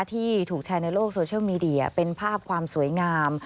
ที่ถูกแชร์ในโลกโซเชียลมีเดียเป็นภาพความสวยงาม